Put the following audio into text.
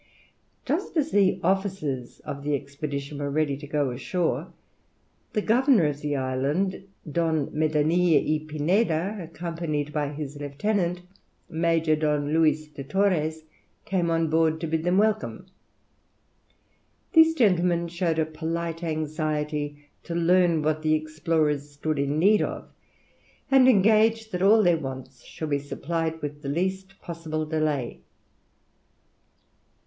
Just as the officers of the expedition were ready to go on shore, the governor of the island, D. Medinilla y Pineda, accompanied by his lieutenant, Major D. Luis de Torrès, came on board to bid them welcome. These gentlemen showed a polite anxiety to learn what the explorers stood in need of, and engaged that all their wants should be supplied with the least possible delay.